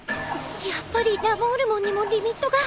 やっぱりラモールモンにもリミットが？